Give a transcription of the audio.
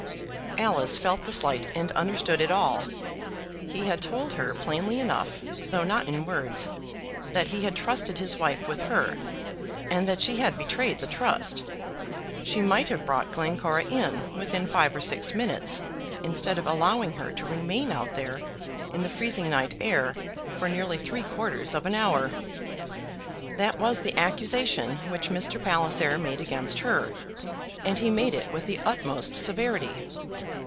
Alice felt the slight, and understood it all. He had told her plainly enough, though not in words, that he had trusted his wife with her, and that she had betrayed the trust. She might have brought Glencora in within five or six minutes, instead of allowing her to remain out there in the freezing night air for nearly three quarters of an hour. That was the accusation which Mr. Palliser made against her, and he made it with the utmost severity.